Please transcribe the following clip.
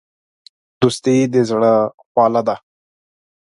دوستي د زړه خواله ده.